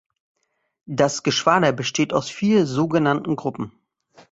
Das Geschwader besteht aus vier so genannten Gruppen.